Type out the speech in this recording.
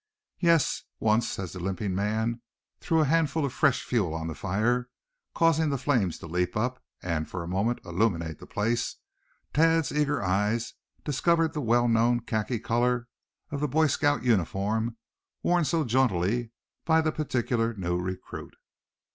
Yes, once, as the limping man threw a handful of fresh fuel on the fire, causing the flames to leap up, and for the moment illuminate the place, Thad's eager eyes discovered the well known khaki color of the Boy Scout uniform worn so jauntily by the particular new recruit.